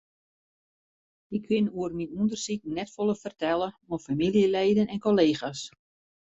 Ik kin oer myn ûndersiken net folle fertelle oan famyljeleden en kollega's.